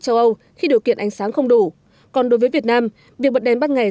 châu âu khi điều kiện ánh sáng không đủ còn đối với việt nam việc bật đèn ban ngày